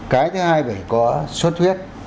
cái thứ hai phải có sốt huyết